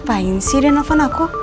ngapain sih dia nelfon aku